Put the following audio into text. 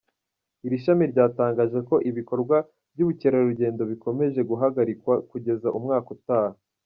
Iri shami ryatangaje ko ibikorwa by’ubukerarugendo bikomeje guhagarikwa kugeza umwaka utaha.